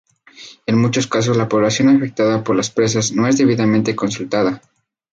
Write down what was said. En muchos casos la población afectada por las presas no es debidamente consultada.